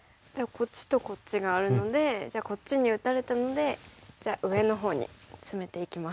こっちとこっちがあるのでじゃあこっちに打たれたのでじゃあ上のほうにツメていきます。